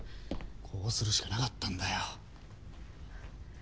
こうするしかなかったんだよ。